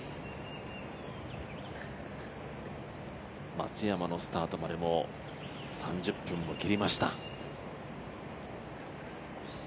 松山のスタートまでもう３０分を切りました。